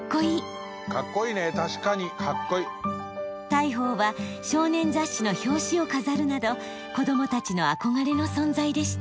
大鵬は少年雑誌の表紙を飾るなど子どもたちの憧れの存在でした。